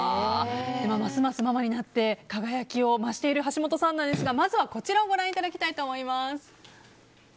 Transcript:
ますますママになって輝きを増している橋本さんですがまずはこちらをご覧いただきたいと思います。